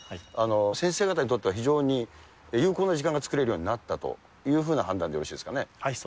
先生方にとっては非常に有効な時間が作れるようになったというふそうですね。